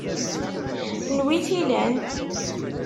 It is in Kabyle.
N wi-t-ilan?